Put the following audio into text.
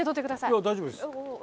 いや大丈夫です。